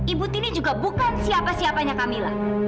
ibu tini juga bukan siapa siapanya camilla